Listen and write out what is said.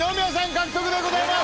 獲得でございます。